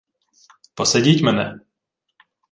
— Посадіть мене.